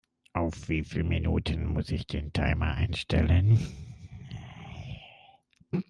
Auf wie viel Minuten muss ich den Timer einstellen?